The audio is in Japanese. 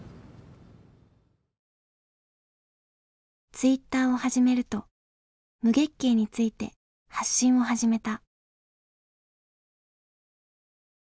ツイッターを始めると無月経について発信を始めた。